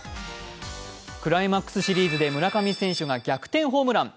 クライマックスシリーズで村上選手が逆転ホームラン。